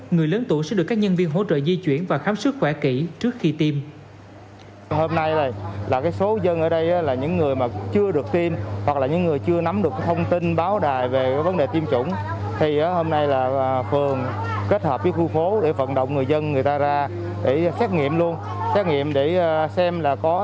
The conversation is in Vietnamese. người lớn tuổi sẽ được các nhân viên hỗ trợ di chuyển và khám sức khỏe kỹ trước khi tiêm